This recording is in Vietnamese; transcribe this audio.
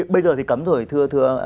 bây giờ thì cấm rồi thưa anh oanh